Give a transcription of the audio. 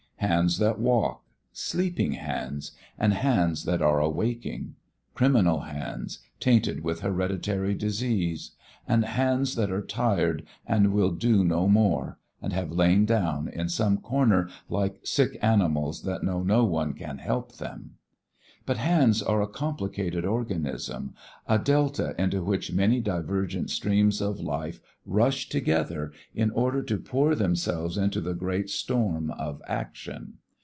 Hands that walk, sleeping hands, and hands that are awaking; criminal hands, tainted with hereditary disease; and hands that are tired and will do no more, and have lain down in some corner like sick animals that know no one can help them. But hands are a complicated organism, a delta into which many divergent streams of life rush together in order to pour themselves into the great storm of action.